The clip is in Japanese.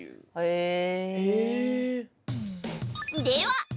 へえ！